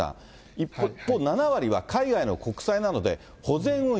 一方、７割は海外の国債なので、保全運用。